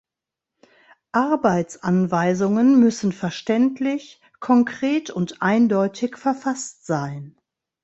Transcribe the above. Arbeitsanweisungen müssen verständlich, konkret und eindeutig verfasst sein.